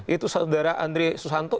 itu saudara andri susanto